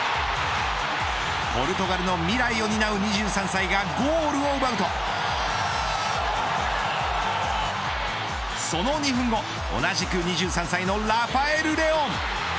ポルトガルの未来を担う２３歳がゴールを奪うとその２分後同じく２３歳のラファエル・レオン。